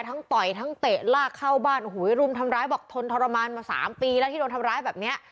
ต่อยทั้งเตะลากเข้าบ้านโอ้โหรุมทำร้ายบอกทนทรมานมา๓ปีแล้วที่โดนทำร้ายแบบเนี้ย